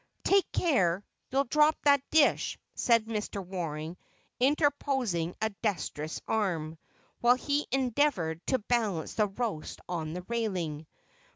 "Take care, you'll drop that dish," said Mr. Waring interposing a dexterous arm, while he endeavored to balance the roast on the railing.